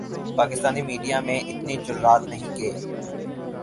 Pakistani media میں اتنی جرآت نہیں کہ